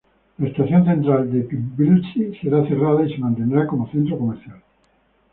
La estación central de Tbilisi será cerrada y se mantendrá como centro comercial.